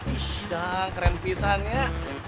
ih dang keren pisangnya